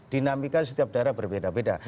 dinamika setiap daerah berbeda beda